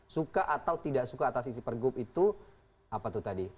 suka atau tidak suka atas isi pergub itu apa tuh tadi